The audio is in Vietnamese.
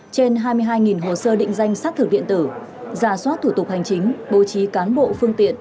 trên hai mươi hai hồ sơ định danh xác thực điện tử giả soát thủ tục hành chính bố trí cán bộ phương tiện